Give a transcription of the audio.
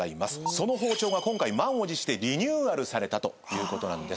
その包丁が今回満を持してリニューアルされたということなんです。